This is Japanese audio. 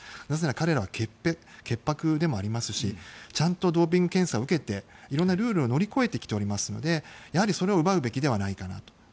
なぜなら彼らは潔白でもありますしちゃんとドーピング検査を受けていろんなルールを乗り越えてきておりますのでそれを奪うべきではないかなと。